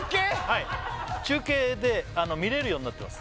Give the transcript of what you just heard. はい中継で見れるようになってます